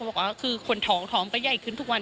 บอกว่าคือคนท้องท้องก็ใหญ่ขึ้นทุกวัน